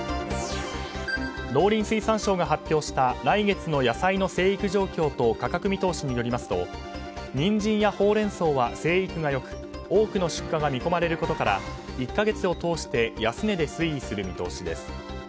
農林水産省が発表した来月の野菜の生育状況と価格見通しによりますとニンジンやホウレンソウは生育が良く、多くの出荷が見込まれることから１か月を通して安値で推移する見通しです。